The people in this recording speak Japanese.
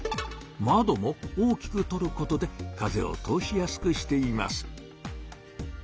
窓も大きくとることで風を通しやすくしています。